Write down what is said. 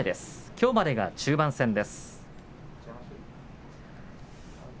きょうまでが中盤戦です。